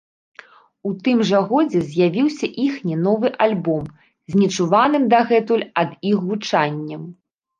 У тым жа годзе з'явіўся іхні новы альбом з нечуваным дагэтуль ад іх гучаннем.